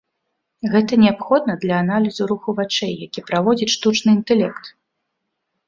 Гэта неабходна для аналізу руху вачэй, які праводзіць штучны інтэлект.